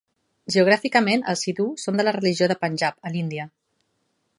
Geogràficament, els Sidhu són de la regió del Panjab, a l'Índia.